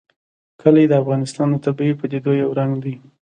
کلي د افغانستان د طبیعي پدیدو یو رنګ دی.